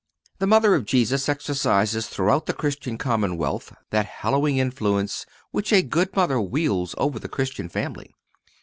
The Mother of Jesus exercises throughout the Christian commonwealth that hallowing influence which a good mother wields over the Christian family.